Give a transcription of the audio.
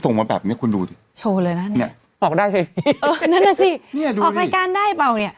ตรงมาแบบเนี่ยคุณดูสิ